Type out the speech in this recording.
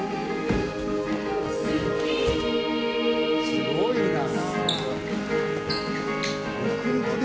すごいな！